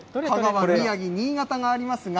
宮城、新潟がありますが。